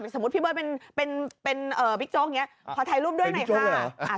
สมมุติพี่เบิร์ดเป็นบิ๊กโจ๊กเนี่ยเขาถ่ายรูปด้วยไหมค่ะ